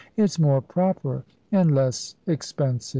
"It's more proper, and less expensive."